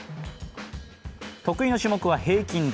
得意の種目は平均台。